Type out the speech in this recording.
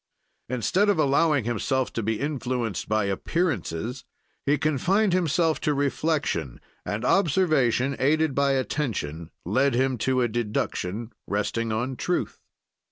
"Instead of allowing himself to be influenced by appearances, he confined himself to reflection, and observation aided by attention led him to a deduction resting on truth.